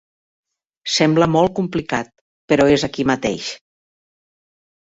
Sembla molt complicat, però és aquí mateix.